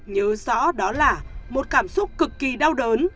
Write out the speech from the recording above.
nhớ rõ đó là một cảm xúc cực kỳ đau đớn